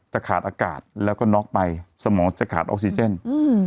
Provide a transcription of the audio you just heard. ขาดอากาศแล้วก็น็อกไปสมองจะขาดออกซิเจนอืม